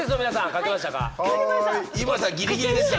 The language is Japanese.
書けました！